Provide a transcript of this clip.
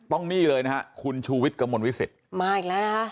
นี่เลยนะฮะคุณชูวิทย์กระมวลวิสิตมาอีกแล้วนะคะ